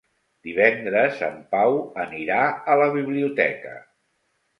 Divendres en Pau anirà a la biblioteca.